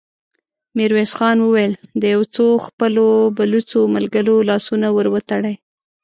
ميرويس خان وويل: د يو څو خپلو بلوڅو ملګرو لاسونه ور وتړئ!